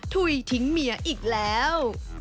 ถุยทิ้งเมียอีกแล้ว